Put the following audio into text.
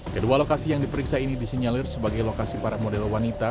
kedua lokasi yang diperiksa ini disinyalir sebagai lokasi para model wanita